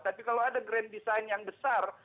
tapi kalau ada grand design yang besar